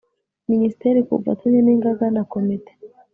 minisiteri ku bufatanye n ingaga na komite